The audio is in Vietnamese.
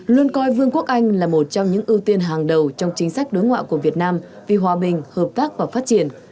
luôn coi vương quốc anh là một trong những ưu tiên hàng đầu trong chính sách đối ngoại của việt nam vì hòa bình hợp tác và phát triển